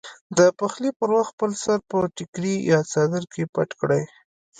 د پخلي پر وخت خپل سر په ټیکري یا څادر کې پټ کړئ.